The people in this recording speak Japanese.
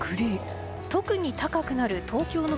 特に高くなる東京の